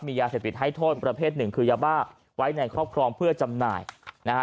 ยาเสพติดให้โทษประเภทหนึ่งคือยาบ้าไว้ในครอบครองเพื่อจำหน่ายนะฮะ